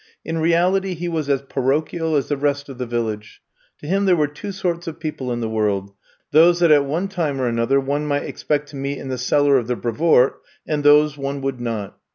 In reality he was as parochial as the rest of the village. To him there were two sorts of people in the world — those that at one time or another one might expect to meet in the cellar of the Brevoort and those one would not.